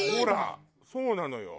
そうなのよ。